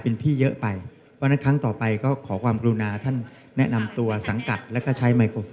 โอเคนะขอบคุณจ้ะ